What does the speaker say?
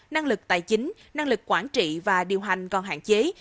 năng lực tài chính năng lực quản trị và điều hành còn hạn chế